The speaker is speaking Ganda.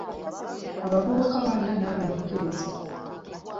Abavubuka balya naawe n'akkiriza.